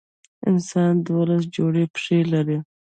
انسان دولس جوړي پښتۍ لري.